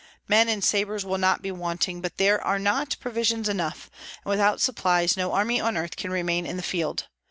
Men and sabres will not be wanting; but there are not provisions enough, and without supplies no army on earth can remain in the field.